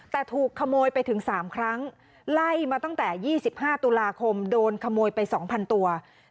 แต่ถูกขโมยไปถึง๓ครั้งไล่มาตั้งแต่๒๕ตุลาคมโดนขโมยไป๒๐๐ตัว